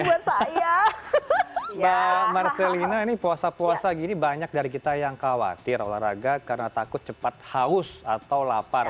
mbak marcelina ini puasa puasa gini banyak dari kita yang khawatir olahraga karena takut cepat haus atau lapar